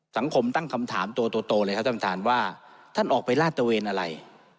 สังคมตั้งคำถามตัวเลยครับท่านว่าท่านออกไปล่าเตอร์เวนอะไร